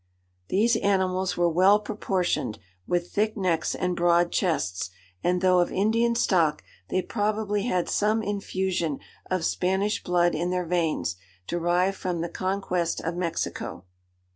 These animals were well proportioned, with thick necks and broad chests, and, though of Indian stock, they probably had some infusion of Spanish blood in their veins, derived from the conquest of Mexico.